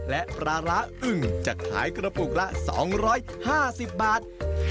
และปราร้าอึงจะขายกระปุกละสองร้อยห้าสิบบาท